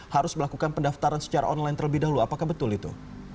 harus melakukan pendaftaran secara online terlebih dahulu apakah betul itu